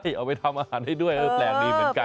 ใช่เอาไปทำอาหารได้ด้วยแปลกดีเหมือนกัน